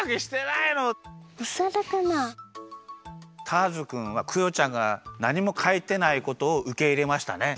ターズくんはクヨちゃんがなにもかいてないことをうけいれましたね。